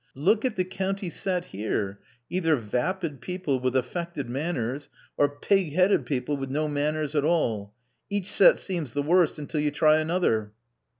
Look at the county set here — either vapid people with affected manners, or pigheaded people with no manners at all. Each set seems the worst until you try another."